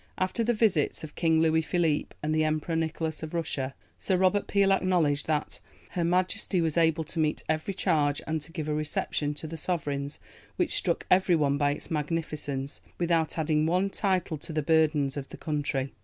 After the visits of King Louis Philippe and the Emperor Nicholas of Russia, Sir Robert Peel acknowledged that "Her Majesty was able to meet every charge and to give a reception to the Sovereigns which struck every one by its magnificence without adding one tittle to the burdens of the country.